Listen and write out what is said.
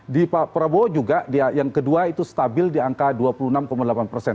di pak prabowo juga yang kedua itu stabil di angka dua puluh enam delapan persen